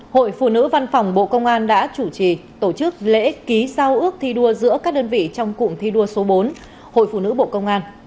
hội phụ nữ văn phòng bộ công an đã chủ trì tổ chức lễ ký giao ước thi đua giữa các đơn vị trong cụm thi đua số bốn hội phụ nữ bộ công an